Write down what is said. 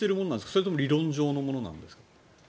それとも理論上のものですか？